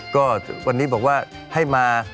ก็วันนี้บอกว่าให้มา